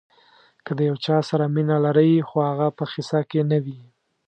که د یو چا سره مینه لرئ خو هغه په قصه کې نه وي.